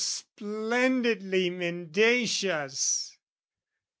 O splendidly mendacious!